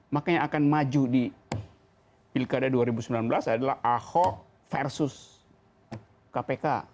maka yang akan maju di pilkada dua ribu sembilan belas adalah ahok versus kpk